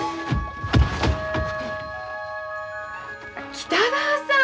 北川さん！